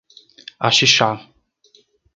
Axixá